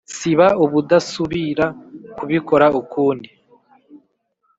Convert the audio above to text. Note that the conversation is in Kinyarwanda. siba ubudasubira kubikora ukundi